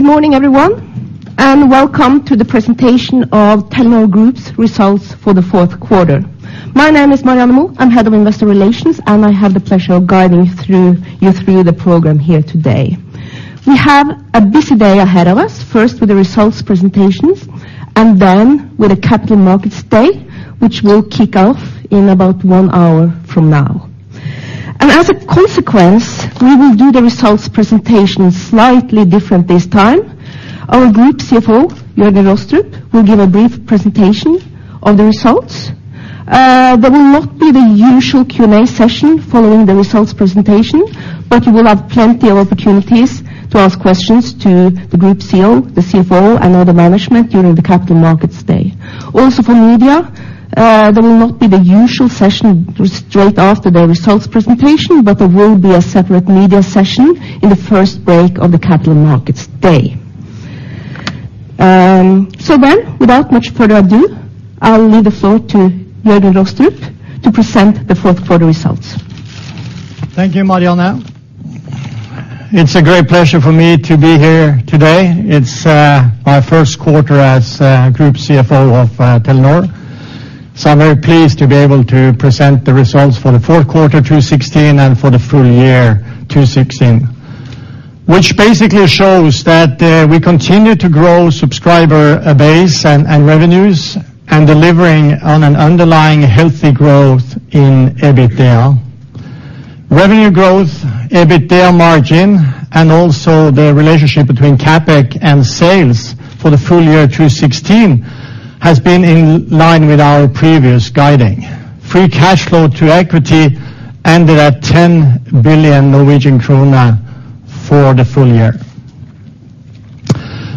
Good morning, everyone, and welcome to the presentation of Telenor Group's results for the fourth quarter. My name is Marianne Moe. I'm head of investor relations, and I have the pleasure of guiding you through the program here today. We have a busy day ahead of us, first, with the results presentations, and then with a Capital Markets Day, which will kick off in about one hour from now. As a consequence, we will do the results presentation slightly different this time. Our group CFO, Jørgen Rostrup, will give a brief presentation on the results. There will not be the usual Q&A session following the results presentation, but you will have plenty of opportunities to ask questions to the group CEO, the CFO, and other management during the Capital Markets Day. Also, for media, there will not be the usual session straight after the results presentation, but there will be a separate media session in the first break of the Capital Markets Day. So then, without much further ado, I'll leave the floor to Jørgen Rostrup to present the fourth quarter results. Thank you, Marianne. It's a great pleasure for me to be here today. It's my first quarter as group CFO of Telenor, so I'm very pleased to be able to present the results for the fourth quarter 2016 and for the full year 2016, which basically shows that we continue to grow subscriber base and revenues, and delivering on an underlying healthy growth in EBITDA. Revenue growth, EBITDA margin, and also the relationship between CapEx and sales for the full year 2016 has been in line with our previous guiding. Free cash flow to equity ended at 10 billion Norwegian krone for the full year.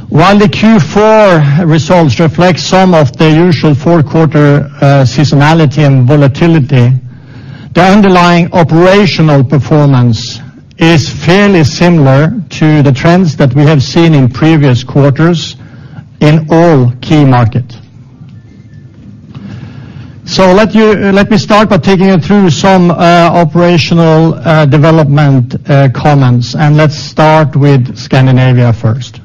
While the Q4 results reflect some of the usual fourth quarter seasonality and volatility, the underlying operational performance is fairly similar to the trends that we have seen in previous quarters in all key markets. So let me start by taking you through some operational development comments, and let's start with Scandinavia first.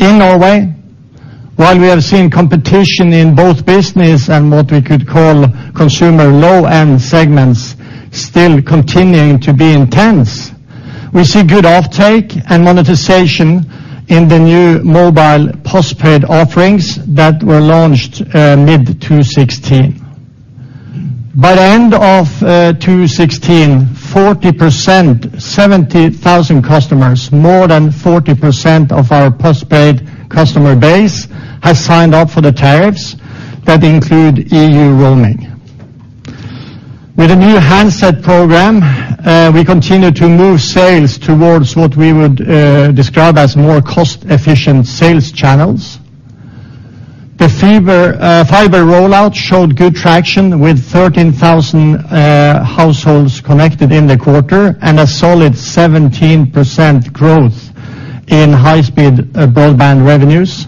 In Norway, while we have seen competition in both business and what we could call consumer low-end segments still continuing to be intense, we see good offtake and monetization in the new mobile postpaid offerings that were launched mid-2016. By the end of 2016, 40%, 70,000 customers, more than 40% of our postpaid customer base, has signed up for the tariffs that include EU roaming. With the new handset program, we continue to move sales towards what we would describe as more cost-efficient sales channels. The fiber rollout showed good traction, with 13,000 households connected in the quarter, and a solid 17% growth in high-speed broadband revenues.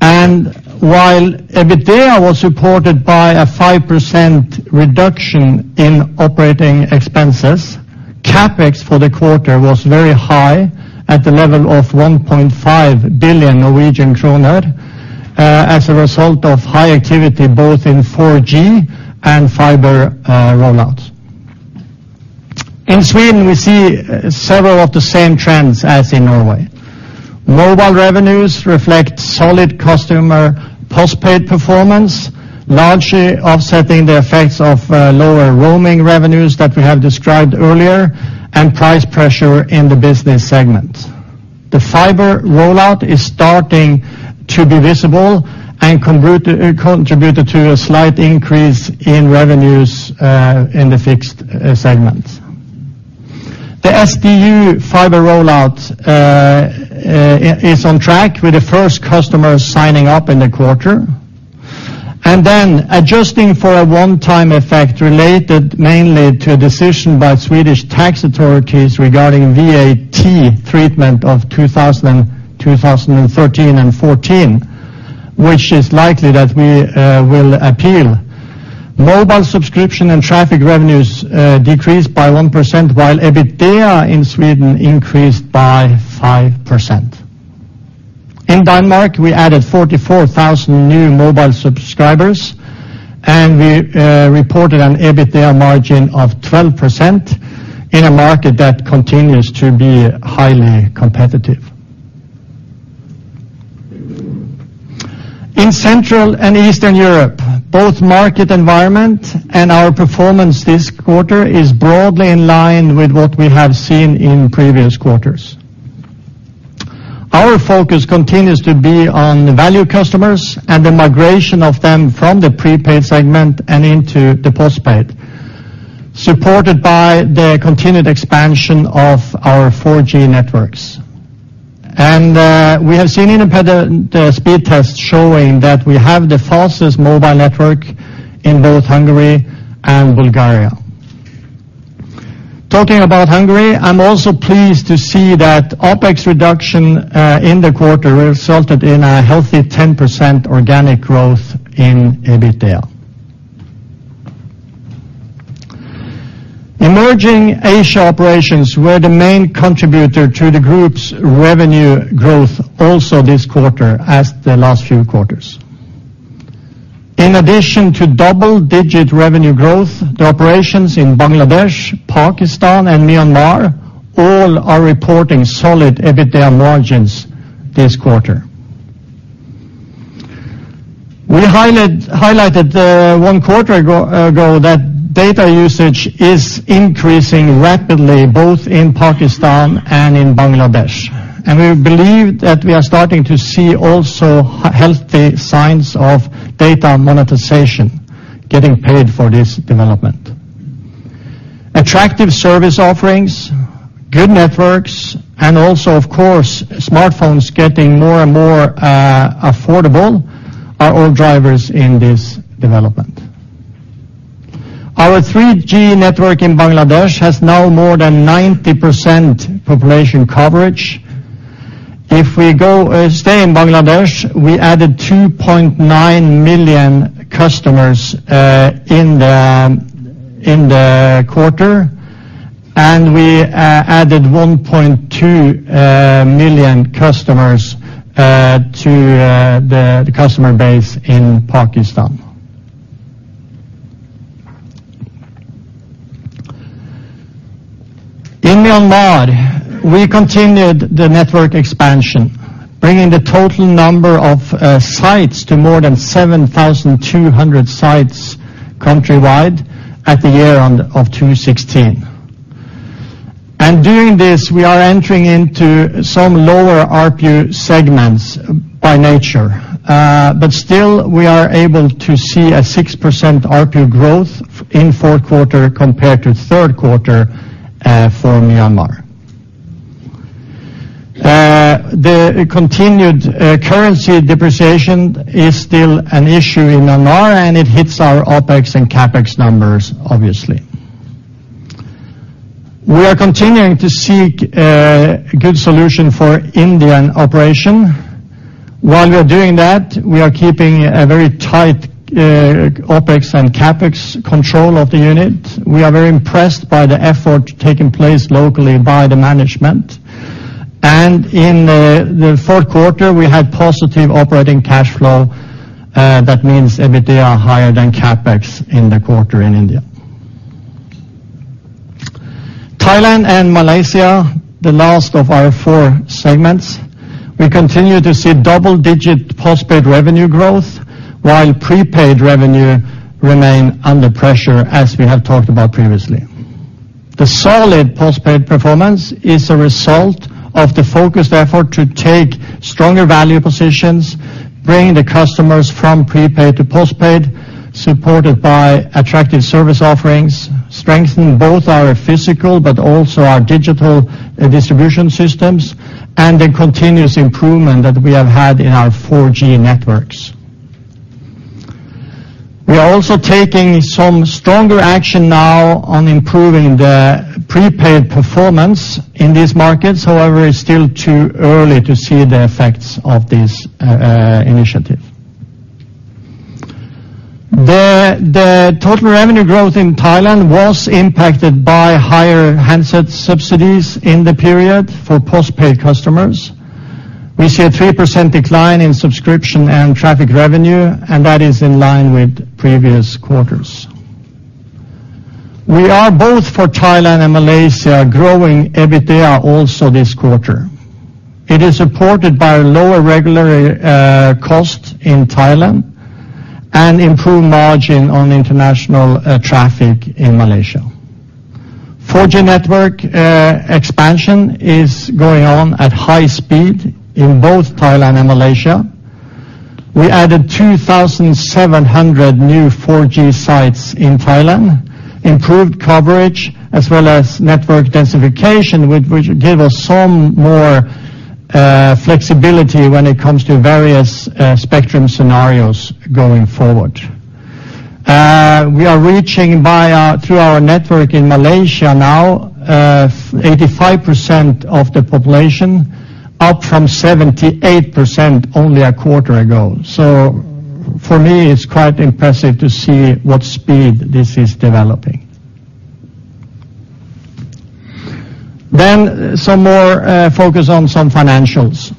And while EBITDA was supported by a 5% reduction in operating expenses, CapEx for the quarter was very high, at the level of 1.5 billion Norwegian kroner, as a result of high activity both in 4G and fiber rollout. In Sweden, we see several of the same trends as in Norway. Mobile revenues reflect solid customer postpaid performance, largely offsetting the effects of lower roaming revenues that we have described earlier, and price pressure in the business segment. The fiber rollout is starting to be visible and contributed to a slight increase in revenues in the fixed segment. The SDU fiber rollout is on track, with the first customers signing up in the quarter. Then, adjusting for a one-time effect related mainly to a decision by Swedish tax authorities regarding VAT treatment of 2013 and 2014, which is likely that we will appeal, mobile subscription and traffic revenues decreased by 1%, while EBITDA in Sweden increased by 5%. In Denmark, we added 44,000 new mobile subscribers, and we reported an EBITDA margin of 12% in a market that continues to be highly competitive. In Central and Eastern Europe, both market environment and our performance this quarter is broadly in line with what we have seen in previous quarters. Our focus continues to be on value customers and the migration of them from the prepaid segment and into the postpaid, supported by the continued expansion of our 4G networks. We have seen independent speed tests showing that we have the fastest mobile network in both Hungary and Bulgaria. Talking about Hungary, I'm also pleased to see that OpEx reduction in the quarter resulted in a healthy 10% organic growth in EBITDA. Emerging Asia operations were the main contributor to the group's revenue growth also this quarter, as the last few quarters. In addition to double-digit revenue growth, the operations in Bangladesh, Pakistan, and Myanmar all are reporting solid EBITDA margins this quarter. We highlighted one quarter ago that data usage is increasing rapidly, both in Pakistan and in Bangladesh, and we believe that we are starting to see also healthy signs of data monetization, getting paid for this development. Attractive service offerings, good networks, and also, of course, smartphones getting more and more affordable are all drivers in this development. Our 3G network in Bangladesh has now more than 90% population coverage. If we go, stay in Bangladesh, we added 2.9 million customers in the quarter, and we added 1.2 million customers to the customer base in Pakistan. In Myanmar, we continued the network expansion, bringing the total number of sites to more than 7,200 sites countrywide at the year-end of 2016. And doing this, we are entering into some lower ARPU segments by nature, but still, we are able to see a 6% ARPU growth in fourth quarter compared to third quarter for Myanmar. The continued currency depreciation is still an issue in Myanmar, and it hits our OpEx and CapEx numbers, obviously. We are continuing to seek a good solution for Indian operation. While we are doing that, we are keeping a very tight OpEx and CapEx control of the unit. We are very impressed by the effort taking place locally by the management, and in the fourth quarter, we had positive operating cash flow. That means EBITDA higher than CapEx in the quarter in India. Thailand and Malaysia, the last of our four segments, we continue to see double-digit postpaid revenue growth, while prepaid revenue remain under pressure, as we have talked about previously. The solid postpaid performance is a result of the focused effort to take stronger value positions, bringing the customers from prepaid to postpaid, supported by attractive service offerings, strengthen both our physical, but also our digital distribution systems, and the continuous improvement that we have had in our 4G networks. We are also taking some stronger action now on improving the prepaid performance in these markets. However, it's still too early to see the effects of this initiative. The total revenue growth in Thailand was impacted by higher handset subsidies in the period for postpaid customers. We see a 3% decline in subscription and traffic revenue, and that is in line with previous quarters. We are both for Thailand and Malaysia growing EBITDA also this quarter. It is supported by lower regular cost in Thailand and improved margin on international traffic in Malaysia. 4G network expansion is going on at high speed in both Thailand and Malaysia. We added 2,700 new 4G sites in Thailand, improved coverage, as well as network densification, which give us some more flexibility when it comes to various spectrum scenarios going forward. We are reaching through our network in Malaysia now 85% of the population, up from 78% only a quarter ago. So for me, it's quite impressive to see what speed this is developing. Then some more focus on some financials.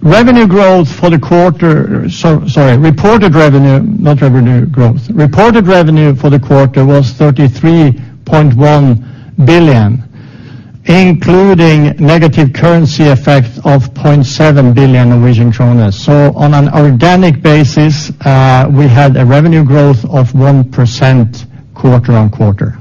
Revenue growth for the quarter. Sorry, reported revenue, not revenue growth. Reported revenue for the quarter was 33.1 billion, including negative currency effect of 0.7 billion Norwegian kroner. So on an organic basis, we had a revenue growth of 1% quarter-over-quarter.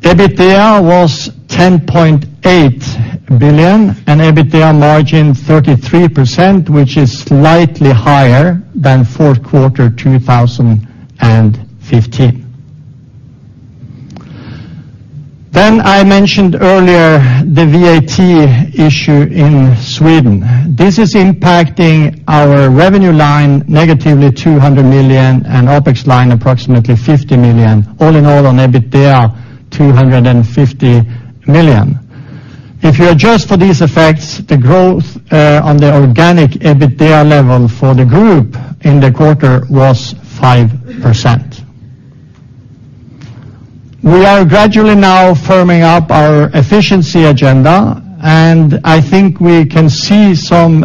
EBITDA was 10.8 billion, and EBITDA margin 33%, which is slightly higher than fourth quarter 2015. Then I mentioned earlier the VAT issue in Sweden. This is impacting our revenue line negatively 200 million and OpEx line approximately 50 million, all in all on EBITDA, 250 million. If you adjust for these effects, the growth on the organic EBITDA level for the group in the quarter was 5%. We are gradually now firming up our efficiency agenda, and I think we can see some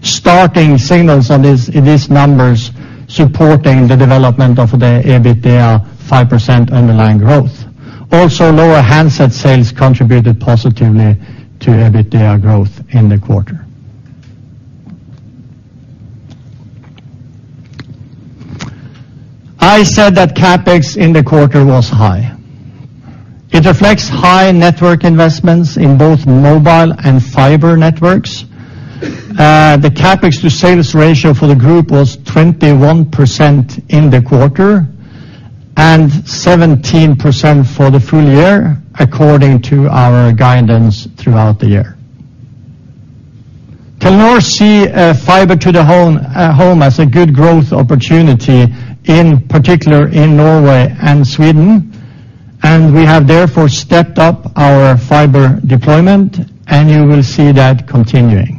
starting signals on these, in these numbers supporting the development of the EBITDA 5% underlying growth. Also, lower handset sales contributed positively to EBITDA growth in the quarter. I said that CapEx in the quarter was high. It reflects high network investments in both mobile and fiber networks. The CapEx to sales ratio for the group was 21% in the quarter, and 17% for the full year, according to our guidance throughout the year. Telenor sees fiber to the home as a good growth opportunity, in particular in Norway and Sweden, and we have therefore stepped up our fiber deployment, and you will see that continuing.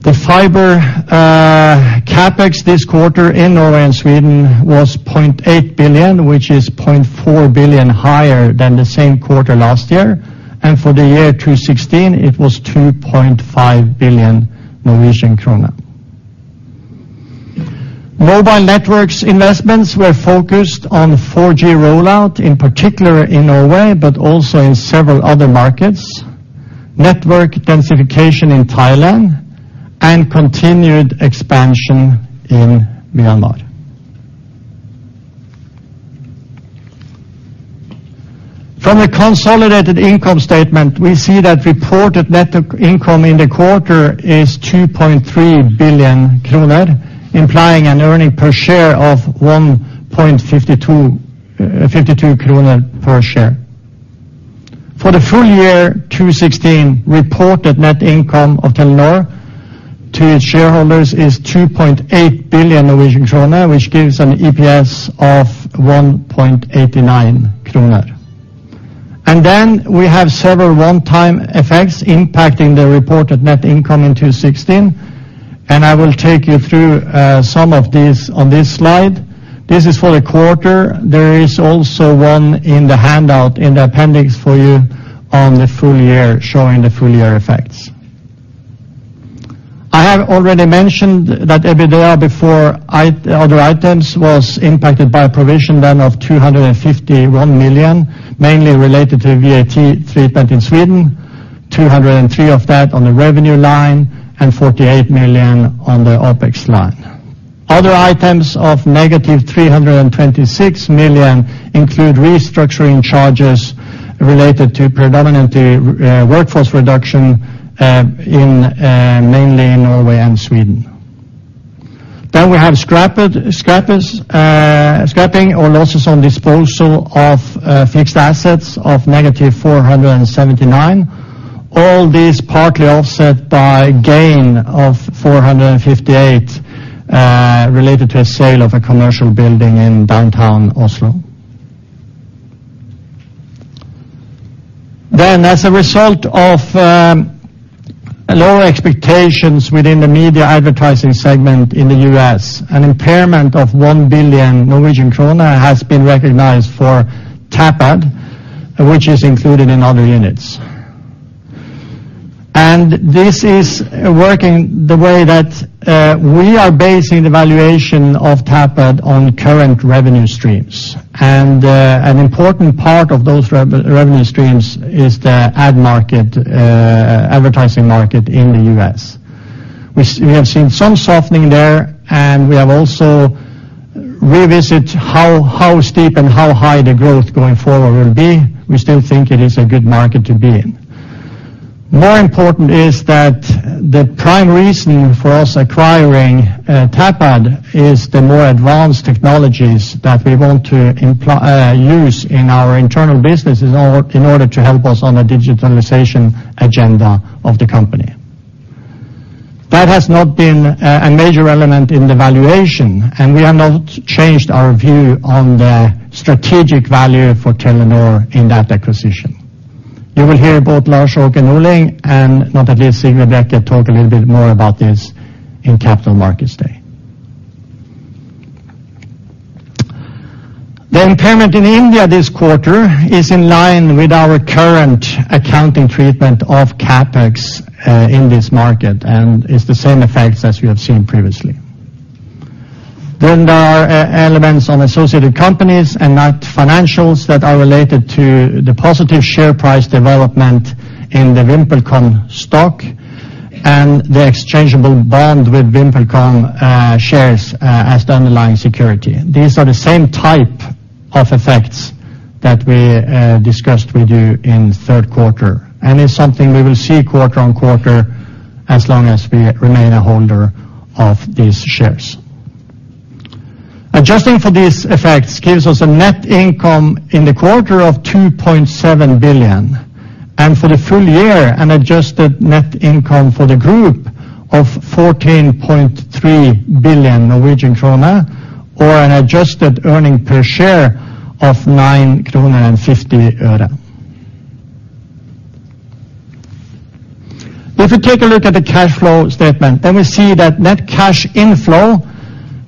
The fiber CapEx this quarter in Norway and Sweden was 0.8 billion, which is 0.4 billion higher than the same quarter last year, and for the year 2016, it was 2.5 billion Norwegian krone. Mobile networks investments were focused on 4G rollout, in particular in Norway, but also in several other markets, network densification in Thailand, and continued expansion in Myanmar. From the consolidated income statement, we see that reported net income in the quarter is 2.3 billion kroner, implying an earning per share of 1.52 kroner per share. For the full year 2016, reported net income of Telenor to its shareholders is 2.8 billion Norwegian kroner, which gives an EPS of 1.89 kroner. And then we have several one-time effects impacting the reported net income in 2016, and I will take you through some of these on this slide. This is for the quarter. There is also one in the handout, in the appendix for you on the full year, showing the full year effects. I have already mentioned that EBITDA before other items was impacted by a provision of 251 million, mainly related to VAT treatment in Sweden, 203 of that on the revenue line, and 48 million on the OpEx line. Other items of -326 million include restructuring charges related to predominantly workforce reduction mainly in Norway and Sweden. Then we have scrapping or losses on disposal of fixed assets of -479. All this partly offset by gain of 458 related to a sale of a commercial building in downtown Oslo. Then, as a result of lower expectations within the media advertising segment in the U.S., an impairment of 1 billion Norwegian krone has been recognized for Tapad, which is included in other units. And this is working the way that we are basing the valuation of Tapad on current revenue streams. And an important part of those revenue streams is the ad market, advertising market in the U.S. We have seen some softening there, and we have also revisit how steep and how high the growth going forward will be. We still think it is a good market to be in. More important is that the prime reason for us acquiring Tapad is the more advanced technologies that we want to use in our internal businesses in order to help us on the digitalization agenda of the company. That has not been a major element in the valuation, and we have not changed our view on the strategic value for Telenor in that acquisition. You will hear both Lars-Åke Norling and not least Sigve Brekke talk a little bit more about this in Capital Markets Day. The impairment in India this quarter is in line with our current accounting treatment of CapEx in this market, and it's the same effects as we have seen previously. Then there are elements on associated companies and non-financials that are related to the positive share price development in the VimpelCom stock and the exchangeable bond with VimpelCom shares as the underlying security. These are the same type of effects that we discussed with you in third quarter, and it's something we will see quarter on quarter as long as we remain a holder of these shares. Adjusting for these effects gives us a net income in the quarter of 2.7 billion. For the full year, an adjusted net income for the group of 14.3 billion Norwegian krone, or an adjusted earning per share of NOK 9.50. If you take a look at the cash flow statement, we see that net cash inflow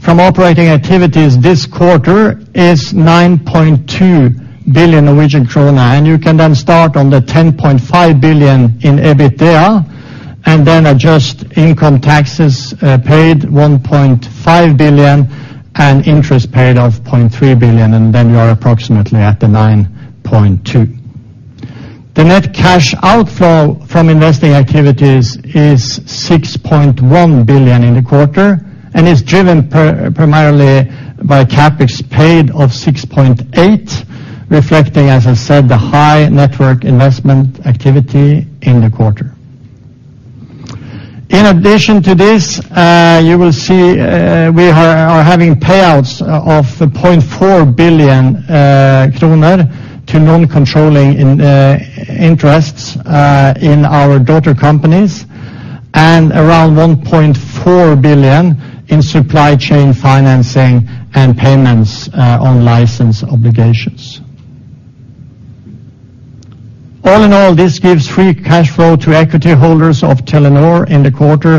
from operating activities this quarter is 9.2 billion Norwegian krone, and you can then start on the 10.5 billion in EBITDA, and then adjust income taxes paid 1.5 billion, and interest paid of 0.3 billion, and then you are approximately at the 9.2 billion. The net cash outflow from investing activities is 6.1 billion in the quarter, and is driven primarily by CapEx paid of 6.8 billion, reflecting, as I said, the high network investment activity in the quarter. In addition to this, you will see we are having payouts of 0.4 billion kroner to non-controlling interests in our daughter companies, and around 1.4 billion in supply chain financing and payments on license obligations. All in all, this gives free cash flow to equity holders of Telenor in the quarter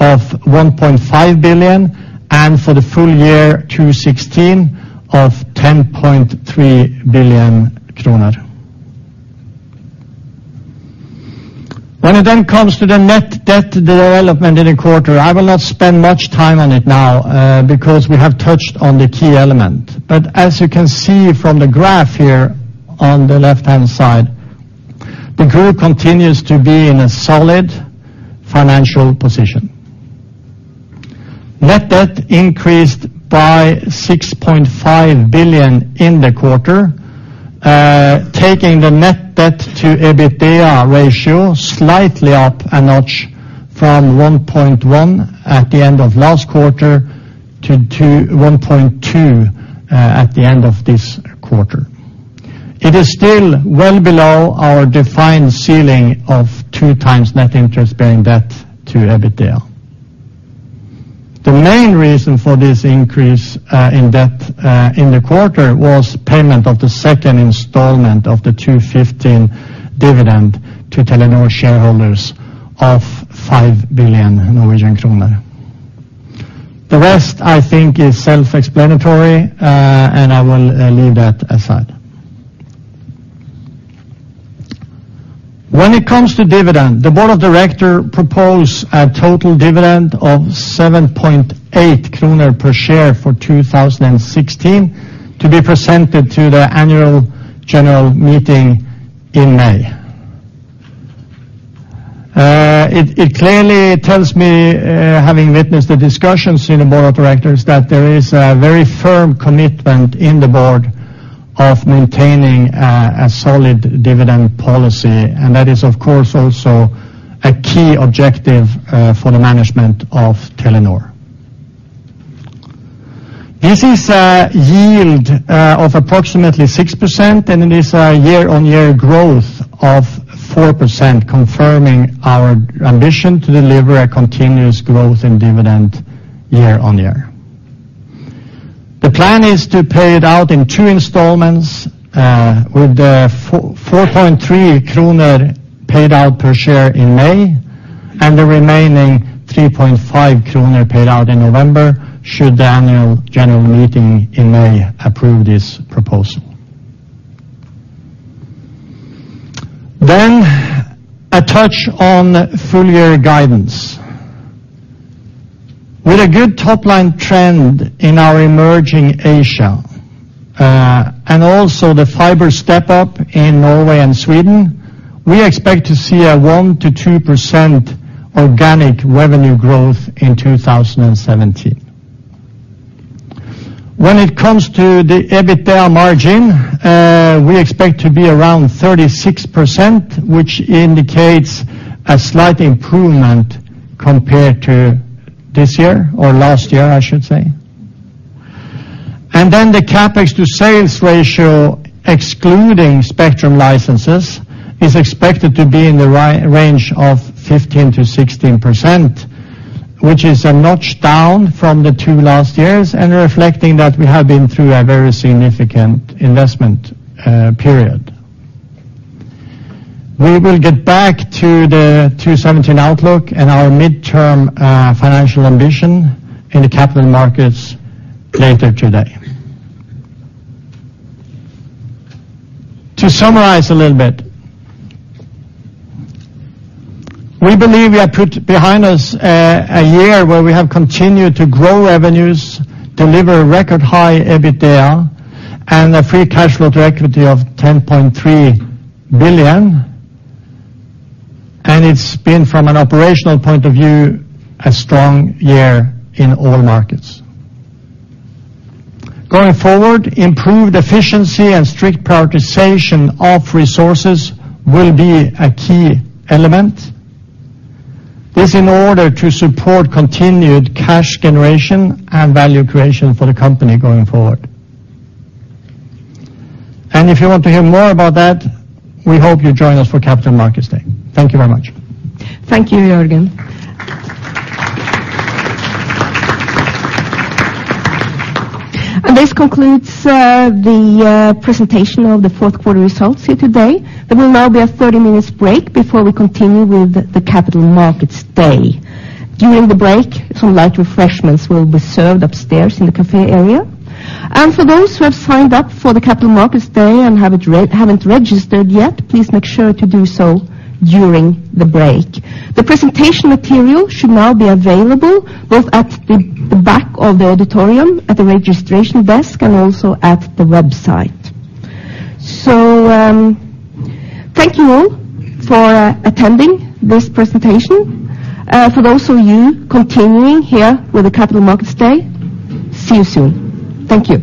of 1.5 billion, and for the full year 2016 of 10.3 billion kroner. When it then comes to the net debt development in the quarter, I will not spend much time on it now, because we have touched on the key element. But as you can see from the graph here, on the left-hand side, the group continues to be in a solid financial position. Net debt increased by 6.5 billion NOK in the quarter, taking the net debt to EBITDA ratio slightly up a notch from 1.1 at the end of last quarter to 1.2 at the end of this quarter. It is still well below our defined ceiling of 2x net interest-bearing debt to EBITDA. The main reason for this increase in debt in the quarter was payment of the second installment of the 2015 dividend to Telenor shareholders of NOK 5 billion. The rest, I think, is self-explanatory, and I will leave that aside. When it comes to dividend, the board of director propose a total dividend of 7.8 kroner per share for 2016 to be presented to the annual general meeting in May. It clearly tells me, having witnessed the discussions in the board of directors, that there is a very firm commitment in the board of maintaining a solid dividend policy, and that is, of course, also a key objective, for the management of Telenor. This is a yield of approximately 6%, and it is a year-on-year growth of 4%, confirming our ambition to deliver a continuous growth in dividend year-on-year. The plan is to pay it out in two installments, with 4.3 kroner paid out per share in May, and the remaining 3.5 kroner paid out in November, should the annual general meeting in May approve this proposal. Then, a touch on full year guidance. With a good top-line trend in our emerging Asia, and also the fiber step up in Norway and Sweden, we expect to see a 1%-2% organic revenue growth in 2017. When it comes to the EBITDA margin, we expect to be around 36%, which indicates a slight improvement compared to this year, or last year, I should say. Then the CapEx to sales ratio, excluding spectrum licenses, is expected to be in the right range of 15%-16%, which is a notch down from the two last years and reflecting that we have been through a very significant investment period. We will get back to the 2017 outlook and our midterm financial ambition in the Capital Markets later today. To summarize a little bit, we believe we have put behind us a year where we have continued to grow revenues, deliver record high EBITDA, and a free cash flow to equity of 10.3 billion, and it's been from an operational point of view a strong year in all markets. Going forward, improved efficiency and strict prioritization of resources will be a key element. This in order to support continued cash generation and value creation for the company going forward. If you want to hear more about that, we hope you join us for Capital Markets Day. Thank you very much. Thank you, Jørgen. And this concludes the presentation of the fourth quarter results here today. There will now be a 30-minute break before we continue with the Capital Markets Day. During the break, some light refreshments will be served upstairs in the café area. And for those who have signed up for the Capital Markets Day and haven't registered yet, please make sure to do so during the break. The presentation material should now be available, both at the back of the auditorium, at the registration desk, and also at the website. So, thank you all for attending this presentation. For those of you continuing here with the Capital Markets Day, see you soon. Thank you.